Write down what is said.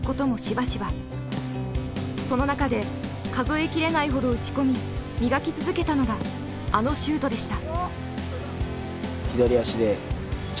その中で数え切れないほど打ち込み磨き続けたのがあのシュートでした。